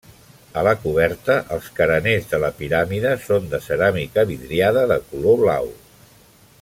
A la coberta, els careners de la piràmide són de ceràmica vidriada de color blau.